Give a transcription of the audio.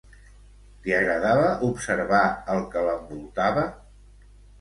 Li agradava observar el que l'envoltava?